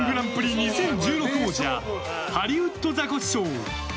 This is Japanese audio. ２０１６年王者ハリウッドザコシショウ！